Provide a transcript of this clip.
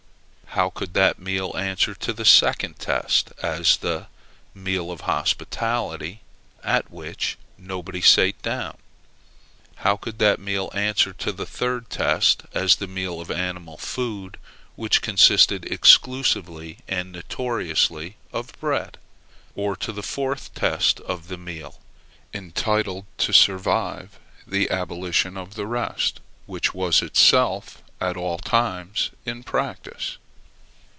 How could that meal answer to the second test, as the meal of hospitality, at which nobody sate down? How could that meal answer to the third test, as the meal of animal food, which consisted exclusively and notoriously of bread? Or to the fourth test, of the meal entitled to survive the abolition of the rest, which was itself abolished at all times in practice?